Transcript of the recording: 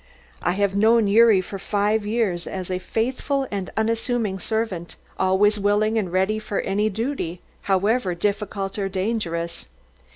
I have known Gyuri for five years as a faithful and unassuming servant, always willing and ready for any duty, however difficult or dangerous.